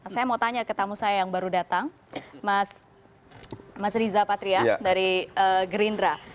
saya mau tanya ke tamu saya yang baru datang mas riza patria dari gerindra